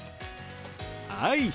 はい。